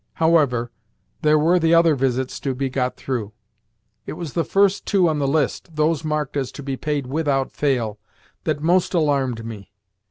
However, there were the other visits to be got through. It was the first two on the list those marked as to be paid "WITHOUT FAIL" that most alarmed me.